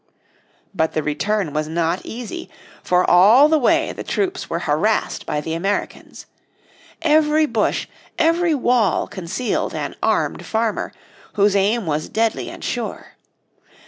But the return was not easy, for all the way the troops were harassed by the Americans. Every bush, every wall concealed an armed farmer, whose aim was deadly and sure.